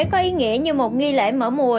có ý nghĩa như một nghi lễ mở mùa